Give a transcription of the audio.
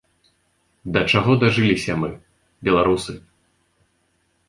Да чаго дажыліся мы, беларусы!